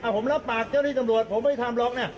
ผมรับปากเจ้าที่ตำรวจผมไม่ทำหรอกเนี่ย